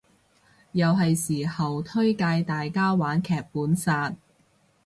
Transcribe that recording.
又係時候推介大家玩劇本殺